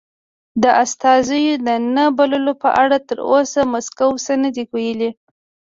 د استازیو د نه بللو په اړه تر اوسه مسکو څه نه دې ویلي.